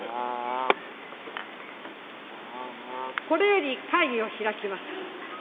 これより会議を開きます。